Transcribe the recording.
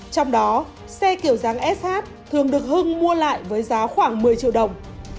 trong đó xe kiểu dáng sh thường được hưng mua lại với giá khoảng một mươi triệu đồng